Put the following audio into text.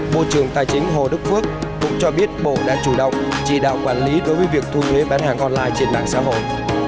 bộ trưởng tài chính hồ đức phước cũng cho biết bộ đã chủ động chỉ đạo quản lý đối với việc thu thuế bán hàng online trên mạng xã hội